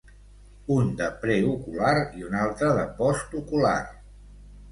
Un de preocular i un altre de postocular.